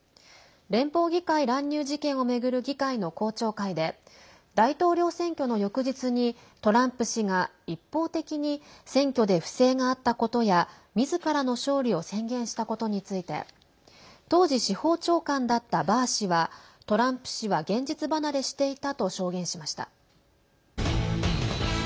連邦議会乱入事件を巡る議会の公聴会で大統領選挙の翌日にトランプ氏が一方的に選挙で不正があったことやみずからの勝利を宣言したことについて当時、司法長官だったバー氏はトランプ氏は現実離れしていたと証言しました。